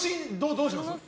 どうします？